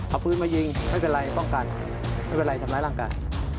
เอาปืนมายิงไม่เป็นไรป้องกันไม่เป็นไรทำร้ายร่างกาย